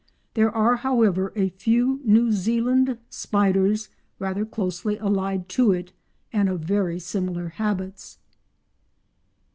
There are, however, a few New Zealand spiders rather closely allied to it and of very similar habits.